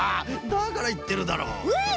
だからいってるだろう！えっ！？